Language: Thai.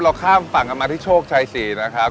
ข้ามฝั่งกันมาที่โชคชัยศรีนะครับ